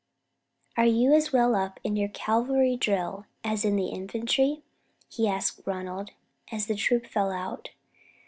"Are you as well up in your cavalry drill as in the infantry?" he asked Ronald as the troop fell out.